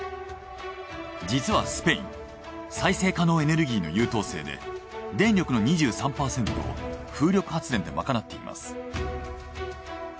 実はスペイン再生可能エネルギーの優等生で電力の２３％を風力発電で賄っています。